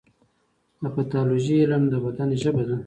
د پیتالوژي علم د بدن ژبه ده.